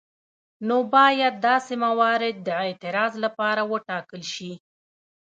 نو باید داسې موارد د اعتراض لپاره وټاکل شي.